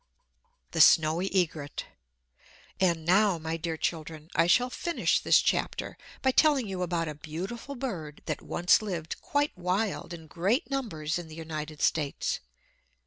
The Snowy Egret And now, my dear children, I shall finish this chapter by telling you about a beautiful bird that once lived quite wild in great numbers in the United States.